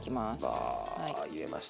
わ入れました。